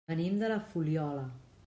Venim de la Fuliola.